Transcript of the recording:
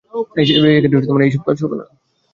এই সব কাজ হবে না।